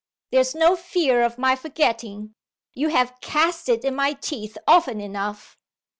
"There's no fear of my forgetting. You have cast it in my teeth often enough."